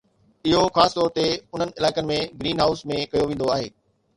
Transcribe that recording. اهو خاص طور تي انهن علائقن ۾ گرين هائوس ۾ ڪيو ويندو آهي